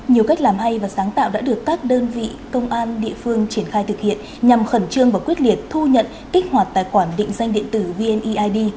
nhiều cách làm hay và sáng tạo đã được các đơn vị công an địa phương triển khai thực hiện nhằm khẩn trương và quyết liệt thu nhận kích hoạt tài khoản định danh điện tử vneid